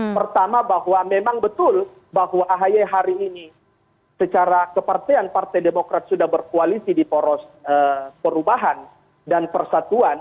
pertama bahwa memang betul bahwa ahy hari ini secara kepartean partai demokrat sudah berkoalisi di poros perubahan dan persatuan